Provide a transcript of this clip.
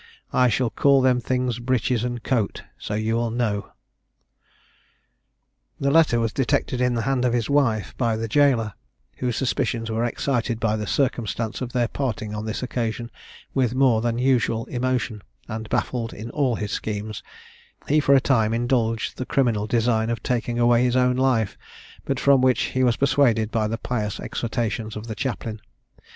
I shall call them things breeches and coat, so you will know." This letter was detected in the hand of his wife, by the jailer, whose suspicions were excited by the circumstance of their parting on this occasion with more than usual emotion; and baffled in all his schemes, he for a time indulged the criminal design of taking away his own life, but from which he was persuaded by the pious exhortations of the chaplain.